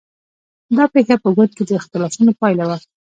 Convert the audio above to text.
دا پېښه په ګوند کې د اختلافونو پایله وه.